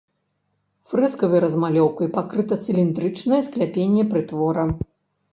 Фрэскавай размалёўкай пакрыта цыліндрычнае скляпенне прытвора.